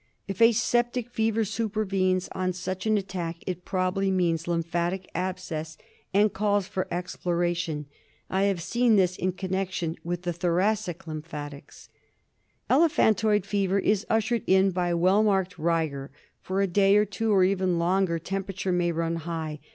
If a septic fever supervenes on such an attack it probably means lymphatic abscess, and calls for operation. I have seen this in connection with the thoracic lymphatics. l86 DIAGNOSIS OF ELEPHANTOID FEVER. Elephantoid fever is ushered in by well marked rigor. For a day or two, or even longer, temperature may run high.